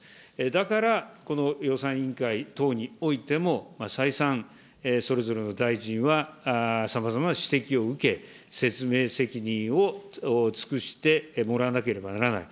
だから、この予算委員会等においても、再三、それぞれの大臣はさまざまな指摘を受け、説明責任を尽くしてもらわなければならない。